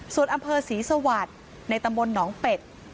ส่วนอำเภอศรีสวัสดิ์ในตำบลหนองเป็ด